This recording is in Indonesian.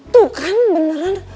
tuh kan beneran